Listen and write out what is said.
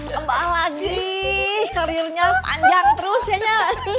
kembali lagi karirnya panjang terus nyonya